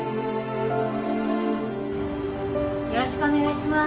よろしくお願いします